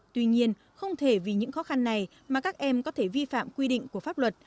tuy nhiên không thể vì những khó khăn này mà các em có thể vi phạm quy định của pháp luật